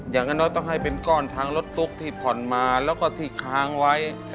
อย่างน้อยต้องให้เป็นก้อนทางรถตุ๊กที่ผ่อนมาแล้วก็ที่ค้างไว้